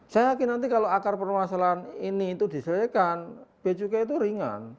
saya yakin nanti kalau akar permasalahan ini itu diselesaikan biaya cukai itu ringan